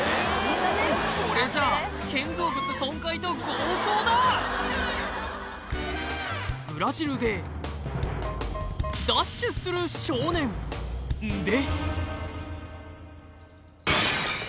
これじゃ建造物損壊と強盗だダッシュする少年んで！